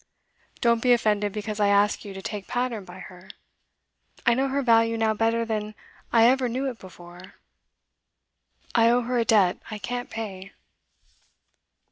Don't be offended because I ask you to take pattern by her. I know her value now better than I ever knew it before. I owe her a debt I can't pay.